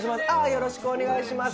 よろしくお願いします